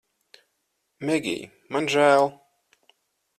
Megij, man žēl